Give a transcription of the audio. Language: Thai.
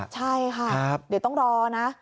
ใช่ค่ะเดี๋ยวต้องรอนะ